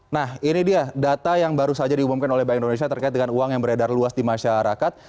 nah ini dia data yang baru saja diumumkan oleh bank indonesia terkait dengan uang yang beredar luas di masyarakat